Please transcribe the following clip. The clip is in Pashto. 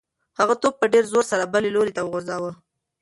هغه توپ په ډېر زور سره بل لوري ته وغورځاوه.